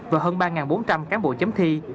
và hơn ba bốn trăm linh cán bộ chấm thi